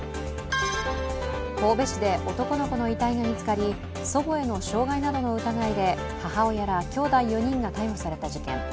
神戸市で男の子の遺体が見つかり、祖母への傷害などの疑いで母親らきょうだい４人が逮捕された事件。